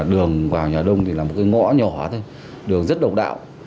đường vào nhà đông thì là một cái ngõ nhỏ thôi đường rất độc đạo